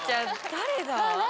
誰だ？